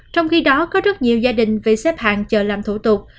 trong khi đó có rất nhiều gia đình vì xếp hàng chờ làm thủ tục